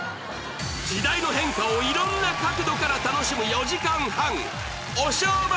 時代の変化を色んな角度から楽しむ４時間半